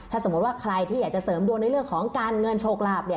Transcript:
ถ้าสมมุติว่าใครที่อยากจะเสริมดวงในเรื่องของการเงินโชคลาภเนี่ย